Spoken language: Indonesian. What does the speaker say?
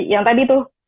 yang tadi tuh